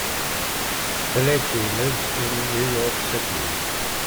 Pileggi lives in New York City.